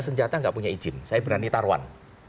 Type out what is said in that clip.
senjata nggak punya izin saya berani taruhan